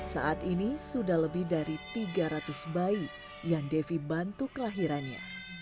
saat ini sudah lebih dari tiga ratus bayi yang devi bantu kelahirannya